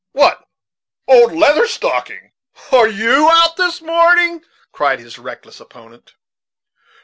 "What, old Leather Stocking, are you out this morning?" cried his reckless opponent.